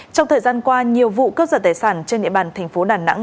trong thời gian qua nhiều vụ cướp giật tài sản trên địa bàn tp đà nẵng